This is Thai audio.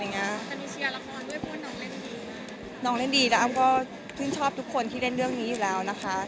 แต่ว่าชิคกี้พายชอบแล้วก็เชียร์